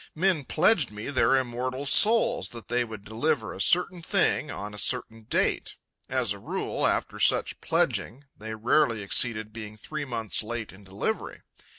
Men pledged me their immortal souls that they would deliver a certain thing on a certain date; as a rule, after such pledging, they rarely exceeded being three months late in delivery.